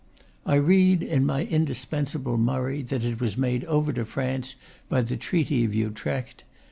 I read in my indispensable Mur ray that it was made over to France by the treaty of Utrecht.